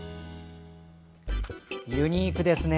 ユニークですね。